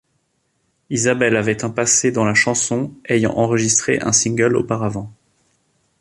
Isabelle avait un passé dans la chanson, ayant enregistré un single auparavant.